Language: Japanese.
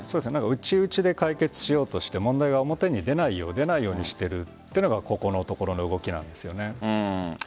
内々で解決しようとして問題が表に出ないようにしているというのがここのところの動きなんですよね。